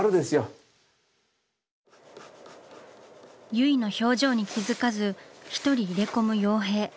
結衣の表情に気付かず一人入れ込む洋平。